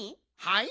はい？